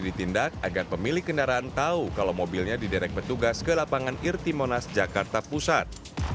ditindak agar pemilik kendaraan tahu kalau mobilnya di derek petugas ke lapangan irtimonas jakarta pusat